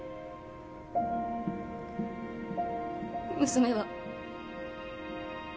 娘は。